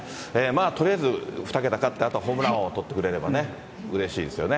とりあえず２桁勝って、あとホームラン王取ってくれればね、うれしいですよね。